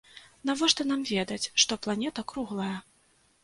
Навошта нам ведаць, што планета круглая?